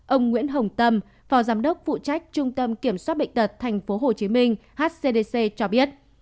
ông nguyễn hồng tâm phó giám đốc phụ trách trung tâm kiểm soát bệnh tật tp hcm hcdc cho biết